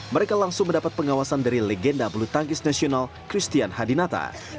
mereka langsung mendapat pengawasan dari legenda bulu tangkis nasional christian hadinata